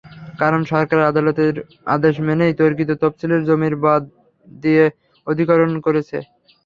কারণ, সরকার আদালতের আদেশ মেনেই তর্কিত তফসিলের জমি বাদ দিয়ে অধিগ্রহণ করেছে।